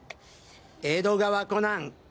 江戸川コナン。